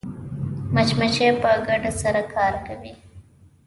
مچمچۍ په ګډه سره کار کوي